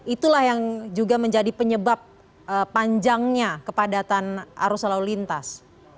itulah yang juga menjadi penyebab panjangnya kepadatan arus lalu lintas